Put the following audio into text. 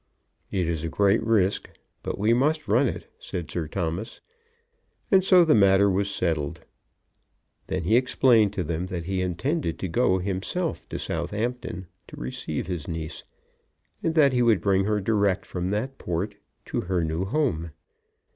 "It is a great risk, but we must run it," said Sir Thomas; and so the matter was settled. Then he explained to them that he intended to go himself to Southampton to receive his niece, and that he would bring her direct from that port to her new home.